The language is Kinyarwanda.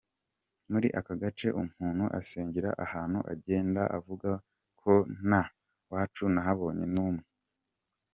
Muri aka gace umuntu asengera ahantu akagenda avuga ngo nta wacu nahabonye n’umwe”.